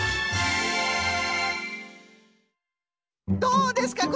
どうですか？